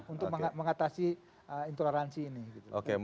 untuk mengatasi intoleransi ini